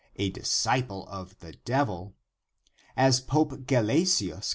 e., a disciple of the devil), as Pope Gelasius (d.